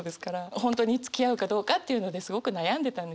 本当につきあうかどうかっていうのですごく悩んでたんですよ。